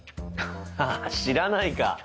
あぁ知らないか。